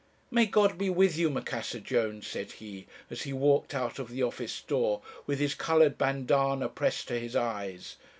"'May God be with you, Macassar Jones,' said he, as he walked out of the office door with his coloured bandana pressed to his eyes.